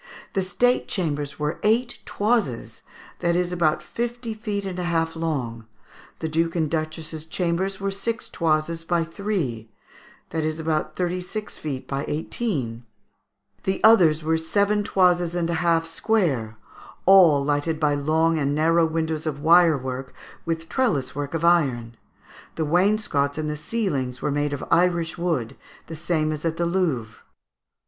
The state chambers were eight 'toises,' that is, about fifty feet and a half long. The duke and duchess's chambers were six 'toises' by three, that is, about thirty six feet by eighteen; the others were seven toises and a half square, all lighted by long and narrow windows of wirework with trellis work of iron; the wainscots and the ceilings were made of Irish wood, the same as at the Louvre." [Footnote A: French feet.